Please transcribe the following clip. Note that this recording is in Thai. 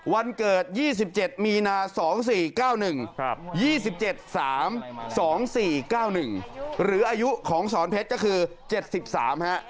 วันเกิด๒๗มีนา๒๔๙๑๒๗๓๒๔๙๑หรืออายุของสอนเพชรก็คือ๗๓ฮะ